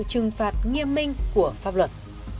và sự trừng phạt nghiêm minh của pháp luật